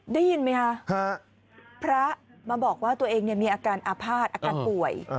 ได้ยินไหมคะพระมาบอกว่าตัวเองมีอาการอาภาษณ์อาการป่วย